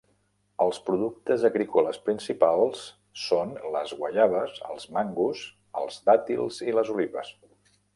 Els productes agrícoles principals són les guaiabes, els mangos, els dàtils i les olives.